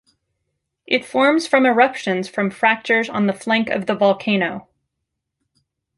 It forms from eruptions from fractures on the flank of the volcano.